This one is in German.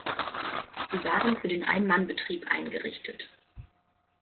Sie waren für den Einmannbetrieb eingerichtet.